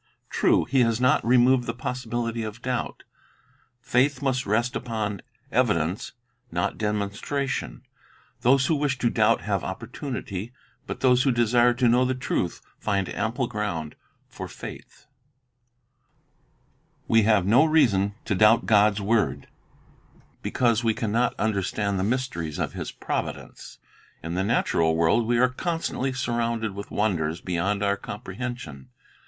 True, He has not removed the possibility of doubt; faith must rest upon evidence, not demonstration; those who wish to doubt have opportunity; but those who desire to know the truth find ample ground for faith. 1 I's. 97:2, R. V. (169) Ground for Trust 170 The Bible as an Educator We have no reason to doubt God's word because we can not understand the mysteries of His providence. In the natural world we are constantly surrounded with wonders beyond our comprehension.